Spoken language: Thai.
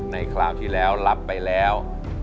คราวที่แล้วรับไปแล้ว